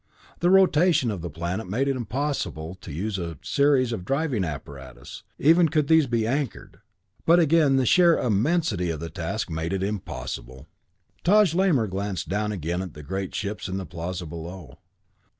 The rotation of the planet made it impossible to use a series of driving apparatus, even could these be anchored, but again the sheer immensity of the task made it impossible. Taj Lamor gazed down again at the great ships in the plaza below.